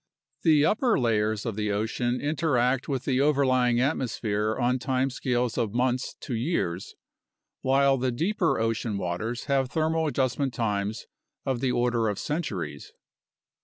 The upper layers of the ocean interact with the overlying atmosphere on time scales of months to years, while the deeper ocean waters have thermal adjustment times of the order of centuries.